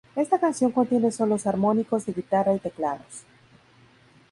Esta canción contiene solos armónicos de guitarra y teclados.